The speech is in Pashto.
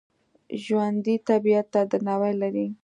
ژوندي طبیعت ته درناوی لري